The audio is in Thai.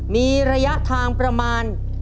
มีระยะทางประมาณ